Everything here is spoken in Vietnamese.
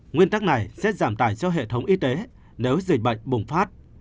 nguyên tắc này sẽ giảm tài cho hệ thống y tế nếu dịch bệnh bùng phát